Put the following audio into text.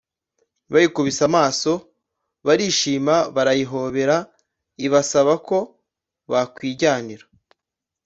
bayikubise amaso, barishima, barayihobera, ibasaba ko bakwijyanira.